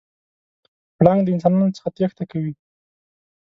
پړانګ د انسانانو څخه تېښته کوي.